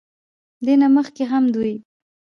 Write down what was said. دې نه مخکښې هم دوي